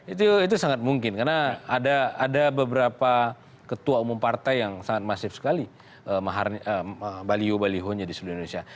itu sangat mungkin karena ada beberapa ketua umum partai yang sangat masif sekali baliho balihonya di seluruh indonesia